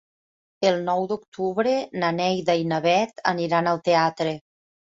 El nou d'octubre na Neida i na Bet aniran al teatre.